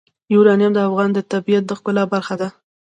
یورانیم د افغانستان د طبیعت د ښکلا برخه ده.